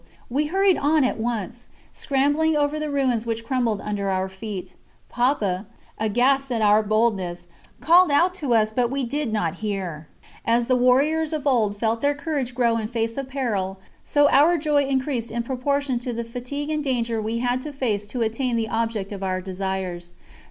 We hurried on at once, scrambling over the ruins which crumbled under our feet. Papa, aghast at our boldness, called out to us, but we did not hear. As the warriors of old felt their courage grow in face of peril, so our joy increased in proportion to the fatigue and danger we had to face to attain the object of our desires.